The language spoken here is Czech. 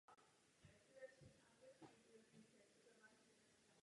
Zde posbíral mnoho zkušeností.